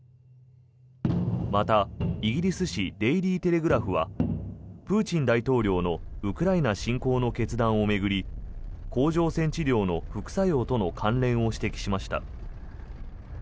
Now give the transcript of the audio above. また、イギリス紙デイリー・テレグラフはプーチン大統領のウクライナ侵攻の決断を巡り甲状腺治療の副作用との関連を指摘しました。